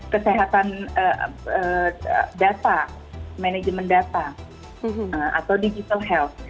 kesehatan data manajemen data atau digital health